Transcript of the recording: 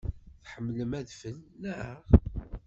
Tḥemmlem adfel, naɣ?